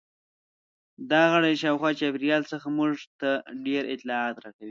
دا غړي شاوخوا چاپیریال څخه موږ ته ډېر اطلاعات راکوي.